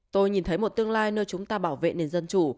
tôi nhìn thấy một tương lai nơi chúng ta bảo vệ nền dân chủ